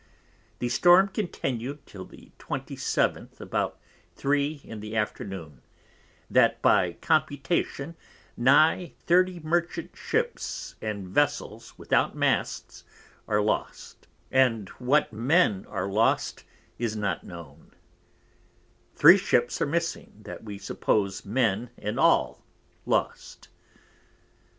The Storm continu'd till the 27th about 3 in the Afternoon; that by Computation nigh 30 Merchant Ships and Vessels without Masts are lost, and what Men are lost is not known; 3 Ships are missing, that we suppose Men and all lost.